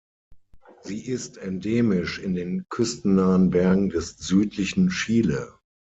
Sie ist endemisch in den küstennahen Bergen des südlichen Chile.